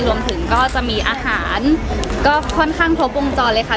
รวมถึงก็จะมีอาหารก็ค่อนข้างครบวงจรเลยค่ะ